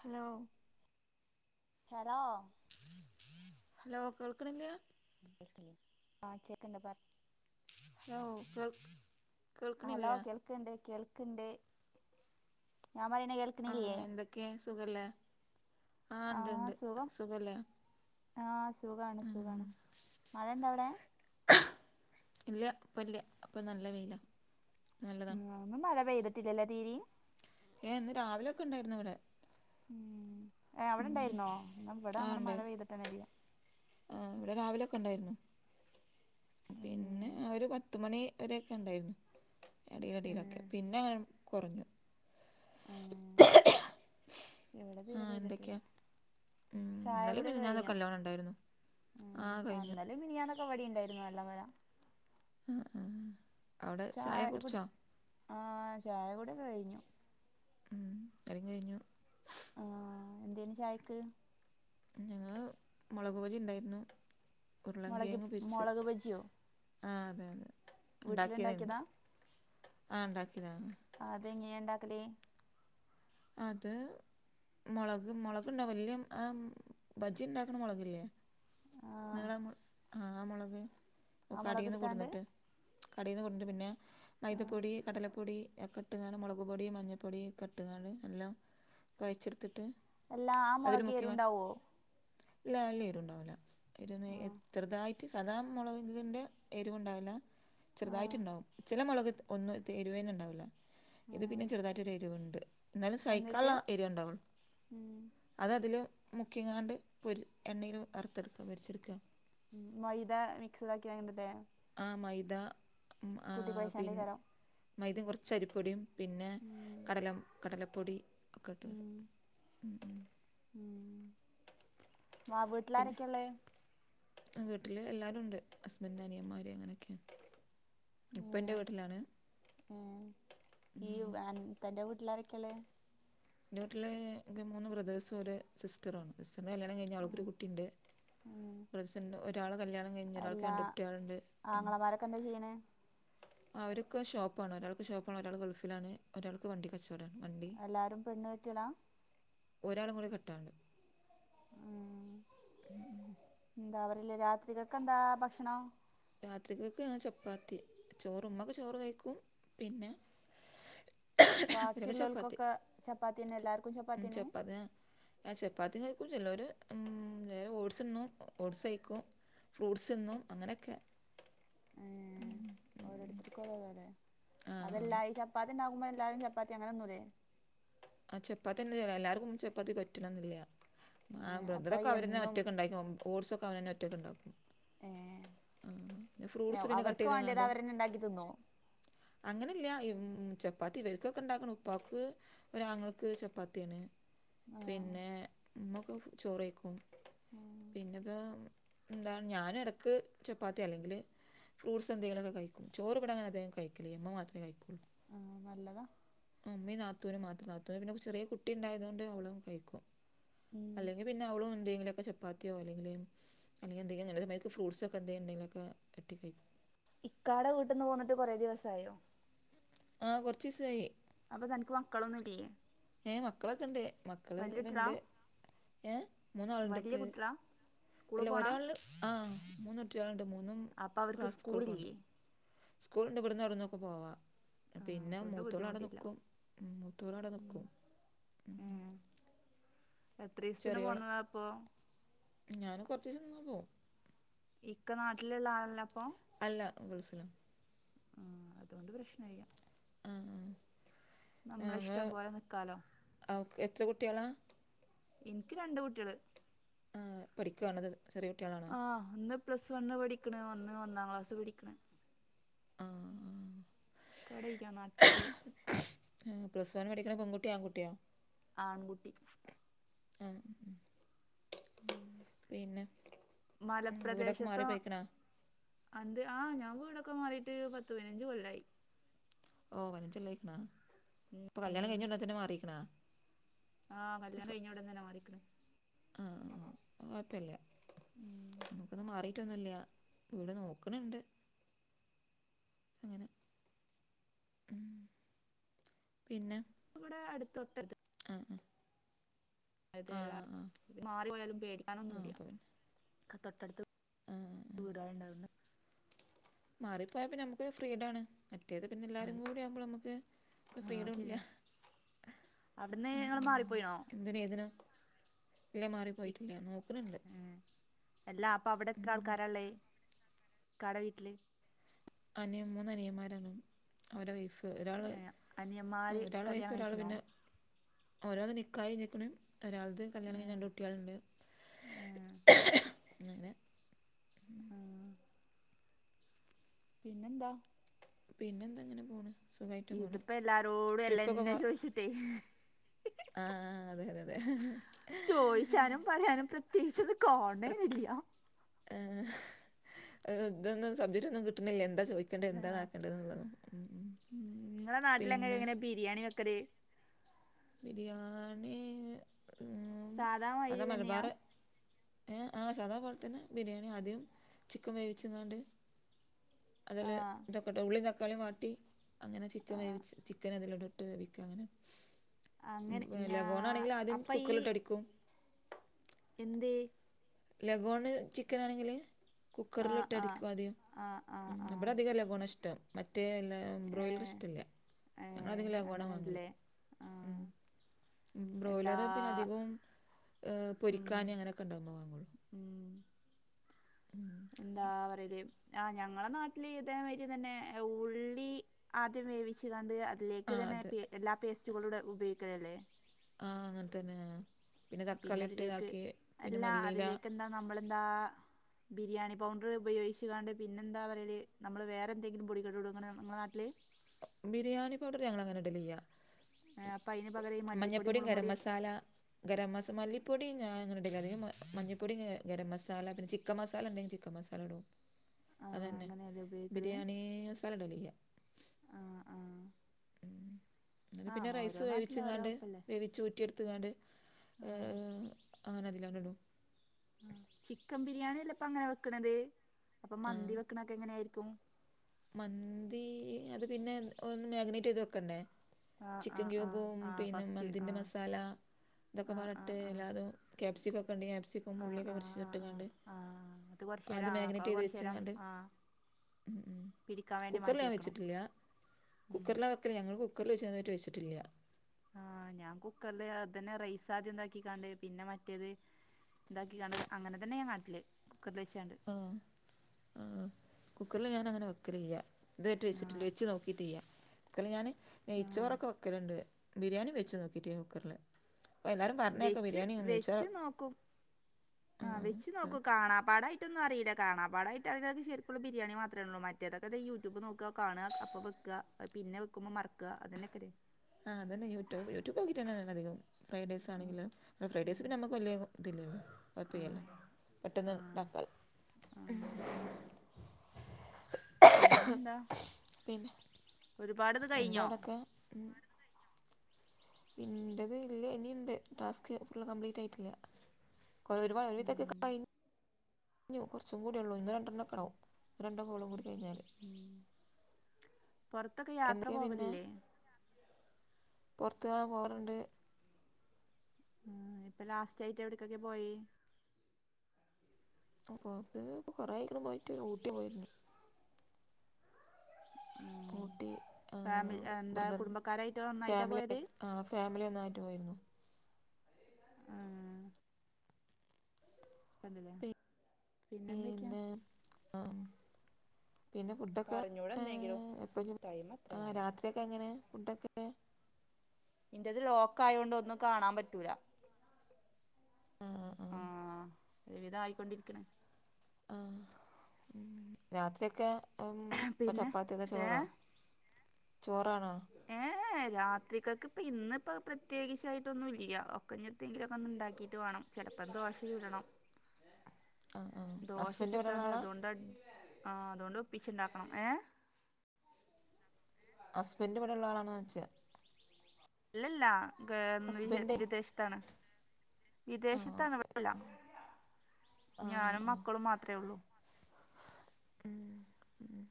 Hello hello hello കേൾക്ക്ണില്ല [unintelligible] കേക്ക്ല്ലെ ആഹ് കേക്ണ്ട് പ ഹലോ കേൾ ഹലോ കേൾക്കണില്ലയാ കേൾക്കണ്ട് കേൾക്കണ്ട് ഞാൻ പറീണെ കേൾ ആഹ് എന്തൊക്കെ സുഖല്ലേ ആഹ് ണ്ട് ണ്ട് സുഖല്ലേ ആഹ് സുഖാണ് ഉം സുഖാണ് മഴ ഇണ്ടവടെ ഇല്ല്യ ഇപ്പൊല്ല്യ അപ്പോര് നല്ല വെയിലാ നല്ലതാണ് ന്ന് മഴ പെയ്തിട്ടില്ലല്ലേ തീരിം ഏഹ് ഇന്ന് രാവിലൊക്കെ ണ്ടായിരുന്നു ഇവ്ടെ ഉം ഏഹ് അവ്ടെ ഇണ്ടായിരുന്നോ ന്നാ വ്വടെ ആഹ് അങ്ങനെ ഉണ്ട് മഴ പെയ്തിട്ടെന്നെല്ല്യ ആഹ് ഇവിടെ രാവിലൊക്കെ ണ്ടായിരുന്നു പിന്നെ ഉം ഒരു പത്ത്മണി [unintelligible] വരെക്കെ ണ്ടായിരുന്നു എടിലെടീലൊക്കെ ഏഹ് പിന്നെ കൊറഞ്ഞു ആഹ് ഇവിടെ തീരെ ആഹ് എന്തൊക്കെയാ പെയ്തിട്ടില്ല ഉം ചായ ഇന്നലെയും കൂടിയൊക്കെ മിനിഞ്ഞാന്നൊക്കെ കഴിഞ്ഞോ നല്ലോണം ഉണ്ടായിരുന്നു ഉം ആഹ് അന്ന കഴിഞ്ഞു ന്നലിം മിനിയാന്നൊക്കെ ഇവടീം ണ്ടായിരുന്നു നല്ല മഴ അഹ് അഹ് ചായ കുട്, ആഹ് ചായകുടി ഒക്കെ കഴിഞ്ഞു ഉം [unintelligible] ടിം കെയ്ഞ്ഞു ആഹ് എന്തേയ്ന് ചായക്ക് ഞങ്ങ [unintelligible] മുളക്ബജി ഉണ്ടായിരുന്നു മുളക് ഉരുളങ്കിയങ്ങ് പൊരിച്ചെ മുളക് ബജിയോ [unintelligible] ആഹ് അതെ അതെ ഇണ്ടാക്കിയതേന്ന് വീട്ടിലുണ്ടാക്കിയതാ ആഹ് ഇണ്ടാക്കിയതാണ് അത്ങ്ങനെ ഇണ്ടാക്കല് അത് മൊളക് മൊളക്ണ്ടാവല്യേ ആ ബജിണ്ടാക്കണ മൊളകില്ലേ ആ നിളം മ് ആഹ് മൊളക് ഒ ആ മുളക് കടീന്ന് എടുത്താണ്ട് കൊട്ന്നിട്ട് കടയിന്ന് കൊണ്ടരും പിന്നെ ആ മൈദപ്പൊടി കടലപ്പൊടി ഒക്കെ മുളക് പൊടി മഞ്ഞപ്പൊടി ഒക്കെ ഇട്ട്കാണ്ട് എല്ലാം കൊയച്ച്ട്ത്തിട്ട് അല്ലാ ആ മുളക് എരുണ്ടാവോ? ഇല്ല നല്ല എരുണ്ടാവൂല എരു ഒന്ന് ആ ചെർതായിട്ട് സാദാ മുളകിൻ്റെ എരിവുണ്ടാവില്ല ആ ചെറുതായിട്ടുണ്ടാവും ചെല മുളക് ഒന്ന് ഇത് എരുവേന്നെ ഇണ്ടാവൂല ആ ഇത് പിന്നെ ചെറുതായിട്ടൊരു എരുവുണ്ട് ഇന്നാലും എന്നിട്ട് സൈക്കാള്ള ഏരുണ്ടാവുള്ളൂ ഉം അത് അതിൽ മുക്കിങ്ങാണ്ട് പൊരി എണ്ണയിൽ വറുത്തെടുക്കുക പൊരിച്ചെടുക്കുക. മൈദ മിക്സ് ഇതാക്കി അങ്ങനല്ലേ? ആഹ് മൈദ ഉം ആഹ് പിൻ കുഴച്ചാണ്ടേക്കാരം മൈദേം കൊർച്ചരിപ്പൊടിയും പിന്നെ കടല കടല കടലപ്പൊടിക്കെ ഇട്ട് വരും ഉം അ വീട്ടിലാരൊക്കെയാ ഇള്ളെ വീട്ടില് എല്ലാരുംണ്ട് ഹസ്ബന്റ് അനിയന്മാര് അങ്ങനെയൊക്കെ ഇപ്പന്റെ വീട്ടിലാണ്. ഏഹ് ഈ ആഹ് തന്റെ വീട്ടിലാരൊക്കെയായുള്ളെ ഇൻ്റെ വീട്ടില് ഇന്റെ മൂന്ന് ബ്രെതേഴ്‌സും ഒര് സിസ്റ്ററും ആണ്. സിസ്റ്റർ ന്റെ കല്യാണം കഴിഞ് അവൾക്കൊരു കുട്ടിണ്ട്. ഉം ബ്രെതെസിന്റെ ഒരാളെ കല്യാണം കഴിഞ് ഒരാൾക്ക് രണ്ട് കുട്ടിൾണ്ട്. ഇപ്പം എന്താ ചെയ്യണേ അവരൊക്കെ ഷോപ്പാണ്. ഒരാൾക്ക് ഷോപ്പാണ് ഒരാൾ ഗൾഫിലാണ് ഒരാൾക്ക് വണ്ടി കച്ചവടമാണ്. വണ്ടി എല്ലാരും പെണ്ണ് കെട്ടിയേതാ ഒരാളും കൂടി കെട്ടാന്ണ്ട്. ഉം എന്താ പറയല് രാത്രികക്ക് എന്താ ഭക്ഷണം രാത്രികക്ക് ഞാൻ ചപ്പാത്തി ചോറ് ഉമ്മക്ക് ചോറ് കഴിക്കും. പിന്നെ ഇവരൊക്കെ ചപ്പാത്തി ബാക്കിയുള്ളോളക്കൊക്കെ ചപ്പാത്തിയെന്നെ എല്ലാർക്കും ചപ്പാത്തിയെന്നെ ആഹ് ചപ്പാത്തി കഴിക്കും. ചിലോര് മ്മ് ഏ ഓട്സ് തിന്നും ഓട്സ് കഴിക്കും. ഫ്രൂട്ട്സ്ന്നും അങ്ങനെക്കെ. ഏഹ് ഓരോര്ത്തർക്ക് ഓരോതാല്ലേ ആ ആ അതല്ലാ ഈ ചപ്പാത്തി ഇണ്ടാക്കുമ്പോ എല്ലാരും ചപ്പാത്തി അങ്ങനൊന്നുല്ലേ ആഹ് ചപ്പാത്തി തന്നെ [unintelligible] എല്ലാർക്കും ചപ്പാത്തി പറ്റണം എന്നില്ല. ആ ഏഹ് അപ്പൊ ബ്രതറൊക്കെ അവരന്നെ എന്നും ഒറ്റക്ക്. [unintelligible] ഓഡ്സൊക്കെ അവർ തന്നെ ഒറ്റക്ക് ഉണ്ടാക്കും. ഏഹ് ആ പിന്ന ഫ്രൂട്ട്സ് പിന്നെ കട്ട് അവർക്ക് വേണ്ടിയത് ചെയ്തങ്ങാണ്ട് അവരന്നെ ഉണ്ടാക്കി തിന്നോ അങ്ങനെല്ലിയ ചപ്പാത്തി ഇവർക്കൊക്കെ ഉണ്ടാക്കണം. ഉപ്പാക്ക് ഒരാങ്ങളക്ക് ചപ്പാത്തിയാണ്. ആഹ് പിന്നെ ഉമ്മക്ക് ചോറായ്ക്കും. ആഹ് പിന്നെപ്പോ എന്താ ഞാൻ ഇടക്ക് ചപ്പാത്തി അല്ലെങ്കില് ഫ്രൂട്ടസ് എന്തെങ്കിലുഒക്കെ കയിക്കും. ചോറ് ഇവിടെ അതികം അങ്ങനെ കഴിക്കലില്ല ഇമ്മ മാത്രേ കഴിക്കുള്ളൂ. ആഹ് നല്ലതാ. ഉമ്മീം നാത്തൂനും മാത്രം. നാത്തൂന് പിന്നെ ചെറിയ കുട്ടി ഉണ്ടായതോണ്ട് ഓളും കഴിക്കും. ഉം അല്ലെങ്കില് പിന്നെ അവളും എന്തെങ്കിലുമൊക്കെ ചപ്പാത്തിയോ അല്ലെങ്കില് അല്ലെങ്കി എന്തേങ്കിലും നല്ല [unintelligible] ഫ്രൂട്ടസ് ഒക്കെ എന്തെങ്കിലും ഉണ്ടേലൊക്കെ [unintelligible] കഴിക്കും. ഇക്കാടെ വീട്ടിൽന്ന് പോന്നിട്ട് കുറേ ദിവസായോ ആഹ് കുറച്ച്സായി അപ്പൊ തനിക്ക് മക്കളൊന്നും ഇല്ലേ ഏഹ് മക്കളൊക്കെ ഇണ്ട് മക്കള് കുട്ടികളാ ഇവിടെണ്ട് ഏഹ് വല്യ മൂന്നാളുണ്ട്ക്ക് കുട്ടികളാ സ്കൂള് അല്ല പോണ ഒരാൾ ആഹ് മൂന്ന് കുട്ടിയോളുണ്ട് മൂന്നും അപ്പൊ അവർക്ക് ക്ലാസ് സ്കൂളക്ക് പൊണ്ട് സ്കൂളില്ലേ സ്കൂളുണ്ട് ഇവിടുന്ന് അവിടെന്നൊക്കെ പോവാം ആഹ് പിന്നെ അതുകൊണ്ട് മൂത്തോള് അവിടെ ബുദ്ധിമുട്ടില്ല നിൽക്കും മൂത്തോള് അവിടെ നിൽക്കും മ്മ്ഹ് ഉം എത്ര ദിവസത്തിന് പോന്നതാ അപ്പൊ ഞാൻ കൊറച്ച് ദിവസം നിന്ന് പോവും ഇക്ക നാട്ടിലുള്ള ആളല്ല അപ്പൊ അല്ല ഗൾഫിലാ അതുകൊണ്ട് പ്രശ്നം ഇല്ല ആ ആ നമ്മളിഷ്ടം പോലെ നിക്കാലോ ആഹ് ഓ എത്ര കുട്ടികളാ എനിക്ക് രണ്ട് കുട്ടികള് പഠിക്കുവാണോ അതോ ചെറിയകുട്ടികളാണോ ആഹ് ഒന്ന് പ്ലസ് വണ് പഠിക്കണ് ഒന്ന് ഒന്നാം ക്ലാസ് പഠിക്കണ് ആ കടയൊക്കയാ നാട്ടില് പ്ലസ് വൺ പഠിക്കണ പെൺകുട്ടിയാ ആൺകുട്ടിയാ ആൺകുട്ടി ആ പിന്നെ മല ഉം, വീടൊക്കെ മാറി പ്രദേശത്തോ പോയിക്കണോ അന്ത് ആഹ് ഞാൻ വീടൊക്കെ മാറിയിട്ട് പത്ത് പതിനഞ്ച് കൊല്ലായി ഓ പതിനഞ്ചു കൊല്ലയിരിക്കണാ അപ്പൊ കല്യാണം ഉം കഴിഞ്ഞോടാണതെന്ന മാറിയിക്കണാ ആ കല്ല്യാണം കഴിഞ്ഞോടന തന്നെ മാറിയേക്കണ് ആ ആ കുഴപ്പല്ല ഉം നമുക്കന്ന് മാറി ട്ടൊന്നില്ല ഇവിടെ നോക്കണണ്ട് അങ്ങനെ ഉം പിന്നെ ഇവിടെ അടുത്ത് തൊട്ടടുത്ത് ആഹ അത് എല്ലാ മാറിപ്പോയാലും ആ പേടിക്കാനൊന്നും ഇല്ലാ അപ്പോൾ പിന്നെ തൊട്ടടുത്ത് ആ വീടുകളൊണ്ട് മാറിപ്പോയ പിന്നെ നമുക്കൊരു ഫ്രീഡാണ് മറ്റേത് പിന്നെ ആ എല്ലാവരും കൂടെ ആവുമ്പോൾ നമുക്ക് ആ ഫ്രീഡവും ഇല്ല ശരിയാ അവിടുന്ന് നിങ്ങള് മാറിപ്പോയിണോ എന്തിന് എതിന ഇല്ലേ മാറിപ്പോയിട്ടില്ല നോക്കുന്നുണ്ട് അല്ലാ അപ്പൊ അവിടെ എത്ര ഉം. ആൾക്കാരള്ളെ ഇക്കാടെ വീട്ടില് അനിയൻ മൂന്ന് അനിയന്മാരാണ് അവരടെ വൈഫ് ഒരാള് അനിയന്മാര് ഒരാള് വൈഫ് കല്യാണം ഒരാള് കഴിച്ചണോ പിന്നെ ഓരോന്ന് നിക്കായി നിക്ക്ണ് ഒരാളത് കല്യാണം കഴിഞ്ഞു രണ്ട് കുട്ടികളുണ്ട് അങ്ങനെ ഉം പിന്നെന്താ പിന്നെന്ത്‌ങ്ങനെ പോണ് സുഖായിട്ട് പോണ് ഇതിപ്പോ എല്ലാരോടും ഇത് ട്രിപ്പൊക്കെ തന്നെ ചോദിച്ചിട്ടേ ആഹ ആ് അതെ അതെ അതെ ചോദിച്ചാനും പറയാനും പ്രത്യേകിച്ച് കൊണ്ടെന്റ്റ് ഇല്ല ഏ ഇതൊന്നും സബ്ജക്ട്റ്റൊന്നും കിട്ടുന്നില്ല എന്താ ചോദി ആക്കണ്ട ആ എന്താ ആക്കേണ്ടത് എന്നുള്ളതാ ഉം ഉം പിന്നെ ബീരിയാണി വെക്കല് ബിരിയാണി ഉം സാധാ അതാ മാതിരി തന്നെയാ മലബാറ് ഏ ആ സാധാപോലെത്തന്നെ ബിരിയാണി ആദ്യം ചിക്കൻ വേവിച്ച്ന്നാണ്ട് ആ അതില് തക്കോട്ടെ ഉള്ളി തക്കാളി വാട്ടി അങ്ങനെ ചിക്കൻ വേവിച്ച് ചിക്കൻ അതിലിടും ട്ട് വേവിക്കും അങ്ങനെ അങ്ങനെ ഞാ ലഗോൺ ആണെങ്കിൽ ആദ്യം അപ്പൊ കുക്കറിലിട്ട് അടിക്കും എന്തേ ലഗോണ് ചിക്കൻ ആണെങ്കില് ആഹ് കുക്കറിലിട്ട് ആഹ് അടിക്കും ആദ്യം ആഹ് ആഹ് ഉം ആഹ് അവിടെ അധികം ലഗോണാ ഇഷ്ടം മറ്റേ ല്ലാ ബ്രോയില് ഏഹ് ഇഷ്ടല്ല ഏഹ് ഞങ്ങളതികം ലെഗോണ വാങ്ങല് അങ്ങനെണ്ട്ല്ലേ ഉം ആഹ് എന്താ ബ്രോയിലറ് പിന്നെ അധികവും ഉം പൊരിക്കാൻ അങ്ങനെയൊക്കെ ഉണ്ടാകുമ്പോ വാങ്ങും ഉം ഉം എന്താ പറയത് ആ ഞങ്ങളെ നാട്ടില് ഇതേമാരി തന്നെ ഉള്ളി ആദ്യം വേവിച്ച് കണ്ട് അതിലേക്ക് ആ തന്നെ അതെ പേ എല്ലാ പേസ്റ്റുകളുടെ ഉപയോഗിക്കുക അല്ലേ ആ അങ്ങനെ തന്നെയാ പിന്നെ തക്കാളി ഇട്ട് ഇതാക്കി പിന്നെ അല്ല മല്ലിയില അതിലേക്ക് എന്താ നമ്മളെന്താ ബിരിയാണി പൗണ്ടർ ഉപയോഗിച്ചുകാണ്ട് പിന്നെ എന്താ പറയൽ നമ്മൾ വേറെന്തങ്കിലും പൊടികെടൂടുംങ്ങന നിങ്ങ നമ്മടെ നാട്ടില് ബിരിയാണി പൗഡർ ഞങ്ങൾ അങ്ങനെ ഇടില് ഇല്ല ആ അപ്പ അയ്ന് പകരം ഈ മല്ലിപ്പൊടി മുളുംപൊടിയാ താല ഗരം മസാ മാല്ലിപ്പൊടി ഞാന്ങ്ങനെ ഇടില്ല അധികം മഞ്ഞപ്പൊടി ഗരം മസാല പിന്നെ ചിക്കൻ മസാല ഉണ്ടെങ്കിൽ ചിക്കൻ മസാല ഇടോ ആഹ് അതന്നെ അങ്ങനെയല്ലേ ഉപയോഗിക്കല് ബിരിയാണി സാലടിലില്ല ആഹ് ആഹ് അങ്ങനെ പിന്നെ ആഹ് റൈസ് ഓരോ വേവിച്ച് നാട്ടിലും ഓരോ ഇങ്ങാണ്ട് വെപ്പല്ലേ വേവിച്ച് ഉറ്റിയെടു ത്താണ്ട് ആഹ് അങ്ങനെ തിലാണ്ടള്ളും ചിക്കൻ ബിരിയാണി അല്ല ഇപ്പ അങ്ങനെ വെക്കണത് അപ്പ ആ മന്തി വെക്കണത്തക്കേ എങ്ങനെ ആയിരിക്കും മന്തി അത് പിന്നെ ഒന്ന് മാഗ്നേറ്റ് ചെയ്യത് വെക്കണ്ടേ ആഹ് ചിക്കൻ ആഹ് ആഹ് ക്യുബും ആഹ് പിന്നെ ഫസ്റ്റ് മന്തിന്റെ ആഹ് മസാല ഇതൊക്കെ ആഹ് പറട്ട ആഹ് ആഹ് എല്ലാതും ക്യാപ്സിക്കാം ഒക്കെ ഒണ്ട് ക്യാപ്സിക്കോ ആഹ് ഉള്ളിയൊക്കെ ആഹ് ആഹ് മുറിച്ചിട്ട് ആഹ് കൊണ്ട് ആഹ് കുറച്ച് നേരം അത് ആഹ് മാഗ്നേറ്റ് ചെയ്യത് കുറച്ച് വെച്ച് നേരം കൊണ്ട് ആഹ് ഉം ഉം പിടിക്കാൻ വേണ്ടി കുക്കറിൽ മാറ്റി ഞാൻ വെക്കണം വെച്ചിട്ടില്ല ഉം കുക്കറില വെക്കല് ഞങ്ങള് കുക്കറിൽ വെച്ച് നന്നായിട്ട് വെച്ചിട്ടില്ല ആഹ് ഞാൻ കുക്കറില് അത്തന്നെ റൈസ് ആദ്യം എന്താക്കി കൊണ്ട് പിന്നെ മറ്റേത് ഇതാക്കി കണ്ട അങ്ങനെ തന്നെ ഞാൻ നാട്ടില് കുക്കറിൽ വെച്ചാണ്ട് ആ ആഹ് കുക്കറിൽ ഞാന് അങ്ങനെ വെക്കൽ ഇല്ല്യ ഇതായിട്ട് വെച്ചിട്ടില്ല ആഹ് വെച്ച് നോക്കിട്ടില്ല കുക്കറിൽ ഞാന് നെയ്യ് ചോറ് ആഹ് ഒക്കെ വെക്കു കുക്കലുണ്ട് ബിരിയാണി വെച്ച് നോക്കിട്ട് ഇല്ല കുക്കറില് വെച്ച് വെച്ച് നോക്കും ആ വെച്ച് നോക്കും കാണാ പാടായി മറ്റൊന്നും അറിയില്ല കാണാപടായി്ട്ട് അയ്യിലേക്ക് ശരിക്കുള്ള ബരിയാണി മാത്ര ഒള്ളൂ മറ്റേതൊക്കെ ദേ യൂട്യൂബ് നോക്കുക കാണുക അപ്പ വെക്കുക അത് പിന്നെ വെക്കുമ്പോൾ മറക്കുക അതന്നെ ഒക്കെല്ലേ ആ തന്നെ യൂട്യൂബ് യൂട്യൂബ് നോക്കിയിട്ട് തന്ന അധികം ഫ്രൈഡേയ്‌സ് ആണെങ്കും ഫ്രൈ്ഡേയ്‌സ് പിന്ന നമ്മുക്ക് വല്ല്യ ഇതിലോ ആ കൊഴപ്പല്ല പെട്ടെന്ന് ആ ഉണ്ടാക്കല്ലോ ആ പിന്നെന്താ പിന്നെ ഒരുപാട് ഇത് എന്താ കഴിഞ്ഞോ അവിടൊക്കെ ഇണ്ടന്റെ ഇതില് ഇനീം ഇണ്ട് ടാസ്ക് ഫുൾ കംപ്ലീറ്റ് ആയിട്ടില്ല കൊറേ ഒരുപാട് ഒരു വിതം ഒക്കെ ഉം, കഴിഞ്ഞു കഞ്ഞു കൊറച്ച് കൂടി ഒള്ളൂ ഇന്ന് രണ്ടണ്ണോ ആവും രണ്ട് ഹോളും കൂടി കഴിഞ്ഞാല് പൊറത്തൊക്കെ യാത്ര എന്തൊക്കെയാ പോവലില്ലേ പൊറത്ത് ആ പോവാറുണ്ട് ആഹ് ഇപ്പ ലാസ്റ്റ് ആയിട്ട് എവിടക്കൊക്കെ പോയേ പൊറത്ത് ഇപ്പ കൊറേയ്യക്കണ് പോയിട്ട് ഊട്ടി പോയിരുന്നു ഉ ഊട്ടി ഫാമിലി എന്താ കുടുംബക്കാരായിട്ട് നന്നായിട്ടാ പോയത് ആ ഫാമിലി ഒന്നായിട്ട് പോയിരുന്നു ഉം, കണ്ടില്ലേ പിന്നെന്തൊക്കെയാ പിന്നെ ആം പിന്നെ ഫുഡൊക്കെ പറഞ്ഞൂടെ എന്തെങ്കിലും ഏഹ് എപ്പഴും ടൈം എത്രയായാവോ രാത്രിയൊക്കെ എങ്ങനെ ഫുഡൊക്കെ ഇന്റെത് ലോക്ക ആയോണ്ട് ഒന്നും കാണാൻ പറ്റൂല്ല ആ ആ ആഹ് ഒരുവിധം ആയിക്കൊണ്ടിരിക്ക്ണ് ആഹ് രാത്രി ഒക്കെ ഉം പിന്നെ ചപ്പാത്തി താ ഏ ചോറോ ചോറാണോ ഏഹ് ഹേ ഏഹ് രാത്രികക്ക് ഇപ്പ ഇന്ന് പ്ര പ്രത്യേകിച്ചായിട്ടൊന്നുല്ല്യ. ഒക്ക ഇത്തെയങ്കിലൊക്കെ ഉണ്ടാക്കിയിട്ട് വേണം ചെലപ്പോ ദോശ ചുടണം ആഹ് ആഹ് ദോശ ഹസ്ബൻഡ് ഇവിടെള്ള ചുട്ടാണ്ട് ആളാ അതുകൊണ്ട് ആ അതുകൊണ്ട് ഒപ്പിച്ച് ഉണ്ടാക്കണം ഏഹ് ഹസ്ബൻഡ് ഇവടെ ഉള്ള ആളാണ് വെച്ച ഇല്ലല്ല ഗേ എന്ന് വിദേ ഹസ്ബൻഡേ വിദേശത്താണ് വിദേശത്ത് ആഹ് ആണ് ഇവടെ ഇല്ല ആഹ് ഞാനും ആഹ് മക്കളും മാത്രേ ഒള്ളൂ ഉം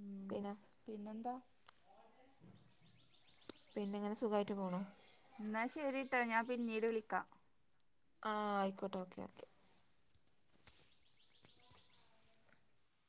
ഉം പിന്നെ പിന്നെന്താ പിന്നെങ്ങനെ സുഖായിട്ട് പോണോ ന്നാ ശരിട്ടാ ഞാൻ പിന്നീട് വിളിക്കാ ആഹ് അയിക്കോട്ടെ ഓക്കെ ഓക്കെ